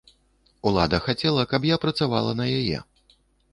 Улада хацела, каб я працавала на яе.